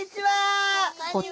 こんにちは！